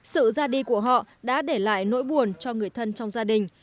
sự ra đi của họ đã để lại nỗi buồn cho người thân trong gia đình